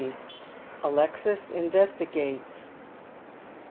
ALEXIS INVESTIQATEg.